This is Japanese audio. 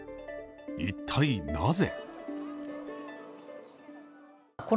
一体、なぜ。